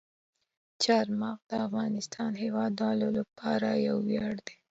چار مغز د افغانستان د هیوادوالو لپاره یو ویاړ دی.